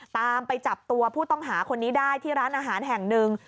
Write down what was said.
ตามไปจับตัวผู้ต้องหาคนนี้ได้ที่ร้านอาหารแห่งหนึ่ง